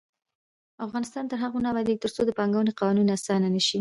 افغانستان تر هغو نه ابادیږي، ترڅو د پانګونې قوانین اسانه نشي.